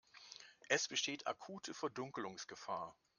Es besteht akute Verdunkelungsgefahr.